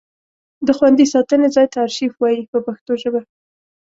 د خوندي ساتنې ځای ته ارشیف وایي په پښتو ژبه.